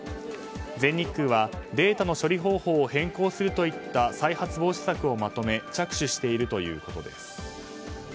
全日空はデータの処理方法を変更するといった再発防止策をまとめ着手しているということです。